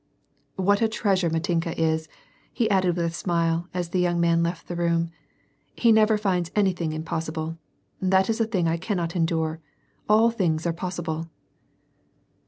" What a treasure that Mitenka is !" he added with a smile, as the young man left the room, " He never finds anything impossible. That is a thing I cannot endure. All things are possible."